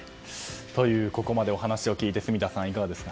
ここまでお話を聞いて住田さん、いかがですか？